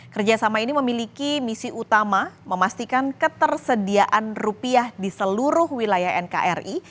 kerjasama ini memiliki misi utama memastikan ketersediaan rupiah di seluruh wilayah nkri